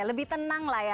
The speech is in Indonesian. lebih tenang lah ya